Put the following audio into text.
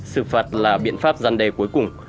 xử phạt là biện pháp gian đề cuối cùng